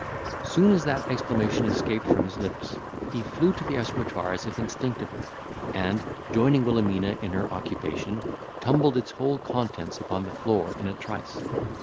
Soon as that exclamation escaped from his lips, he flew to the escritoire as if instinctively, and, joining Wilhelmina in her occupation, tumbled its whole contents upon the floor in a trice.